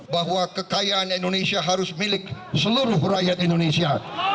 bahwa kekayaan indonesia harus milik seluruh rakyat indonesia